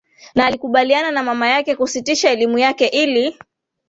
Na alikubaliana na mama yake kusitisha elimu yake ili